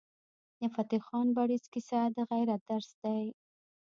د فتح خان بړیڅ کیسه د غیرت درس دی.